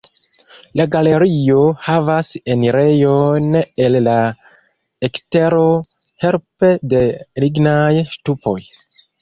La galerio havas enirejon el la ekstero helpe de lignaj ŝtupoj.